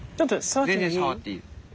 全然触っていい。